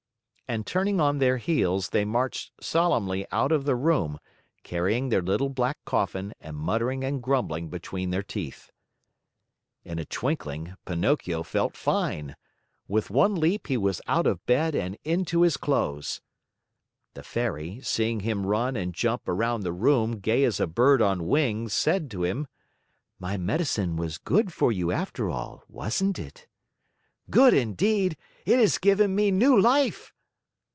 And turning on their heels, they marched solemnly out of the room, carrying their little black coffin and muttering and grumbling between their teeth. In a twinkling, Pinocchio felt fine. With one leap he was out of bed and into his clothes. The Fairy, seeing him run and jump around the room gay as a bird on wing, said to him: "My medicine was good for you, after all, wasn't it?" "Good indeed! It has given me new life."